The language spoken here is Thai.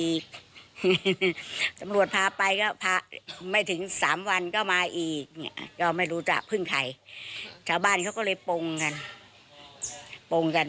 กำลังเป็นทุกวันทุกวันใหม่แบบนี้